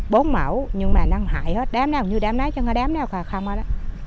bốn mẫu nhưng mà nó hại hết đám nào cũng như đám lái chứ đám nào không hết